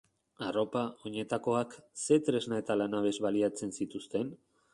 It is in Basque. Arropak, oinetakoak... Ze tresna eta lanabes baliatzen zituzten?